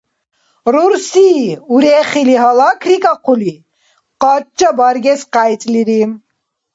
Рурси, урехили гьалакрикӀахъули, къача баргес къяйцӀлири.